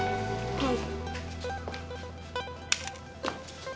はい。